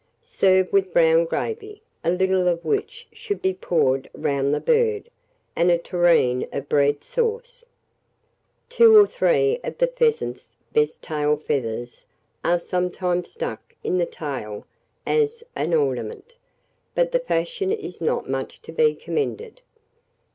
Serve with brown gravy, a little of which should be poured round the bird, and a tureen of bread sauce. 2 or 3 of the pheasant's best tail feathers are sometimes stuck in the tail as an ornament; but the fashion is not much to be commended.